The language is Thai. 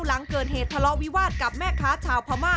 หลังเกิดเหตุทะเลาะวิวาสกับแม่ค้าชาวพม่า